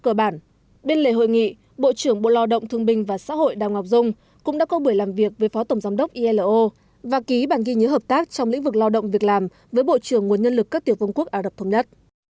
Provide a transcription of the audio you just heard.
cơ bản bên lề hội nghị bộ trưởng bộ lao động thương binh và xã hội đào ngọc dung cũng đã có buổi làm việc với phó tổng giám đốc ilo và ký bản ghi nhớ hợp tác trong lĩnh vực lao động việc làm với bộ trưởng nguồn nhân lực các tiểu công quốc ả rập thống nhất